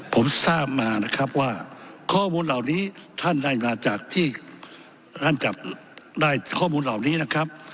ผมทราบมานะครับว่าข้อมูลเหล่านี้ท่านได้มาจากที่ท่านจับได้ข้อมูลเหล่านี้นะครับ